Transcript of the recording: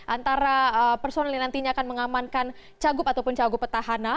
antara personil yang nantinya akan mengamankan cagup ataupun cagup petahana